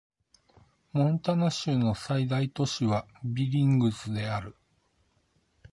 モンタナ州の最大都市はビリングスである